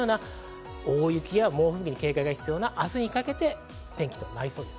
大雪や猛吹雪に警戒が必要な明日にかけての天気となりそうです。